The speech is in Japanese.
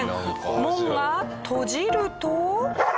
門が閉じると。